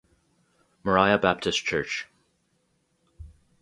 Moriah Baptist Church.